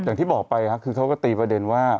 อย่างที่บอกไปครับคือเขาก็ตีประเด็นว่า